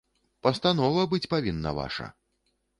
Пастанова быць павінна ваша!